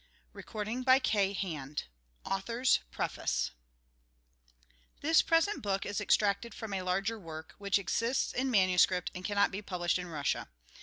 223 THE GOSPEL IN BRIEF AUTHOR'S PEEFACE This present book is extracted from a larger work, which exists in manuscript, and cannot be published in Eussia.